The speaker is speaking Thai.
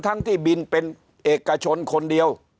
ทั้งที่บินเป็นเอกชนคนเดียว